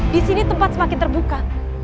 di sini tempat semakin terbuka